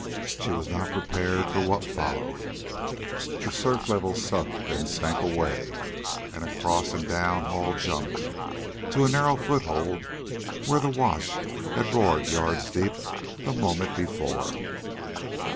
She was not prepared for what followed. The surf level sucked and sank away, and across and down Hall jumped to a narrow foothold where the wash had roared yards deep the moment before.